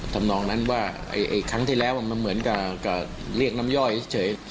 ทำนองนั้นว่าครั้งที่แล้วมันเหมือนกับเรียกน้ำย่อยเฉย